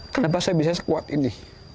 kenapa saya bisa sekuat ini